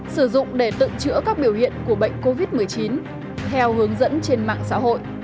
sử dụng để tự chữa các biểu hiện của bệnh covid một mươi chín theo hướng dẫn trên mạng xã hội